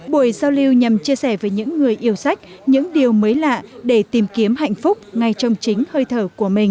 buổi giao lưu nhằm chia sẻ với những người yêu sách những điều mới lạ để tìm kiếm hạnh phúc ngay trong chính hơi thở của mình